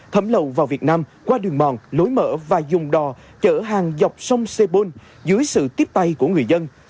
thấm lậu vào việt nam qua đường mòn lối mở và dùng đò chở hàng dọc sông sebul dưới sự tiếp tay của người dân